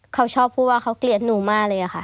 เขาชอบพูดว่าเขาเกลียดหนูมากเลยค่ะ